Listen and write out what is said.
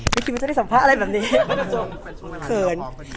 ไม่คิดว่าจะได้สัมภาษณ์อะไรแบบนี้เขิน